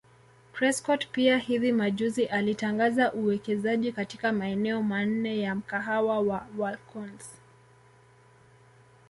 Prescott pia hivi majuzi alitangaza uwekezaji katika maeneo manne ya mkahawa wa WalkOns